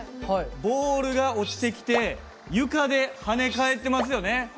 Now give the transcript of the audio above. ボールが落ちてきて床で跳ね返ってますよね。